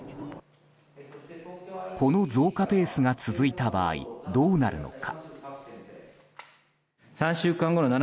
この増加ペースが続いた場合どうなるのか。